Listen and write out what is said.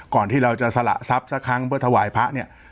ที่เราจะสละทรัพย์สักครั้งเพื่อถวายพระเนี่ย